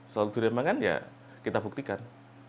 selalu dilemakan ya kita buktikan